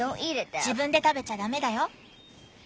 自分で食べちゃダメだよ。